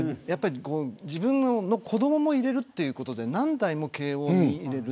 自分の子どもも入れるということで何代も慶応に入れる。